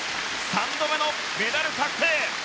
３度目のメダル確定。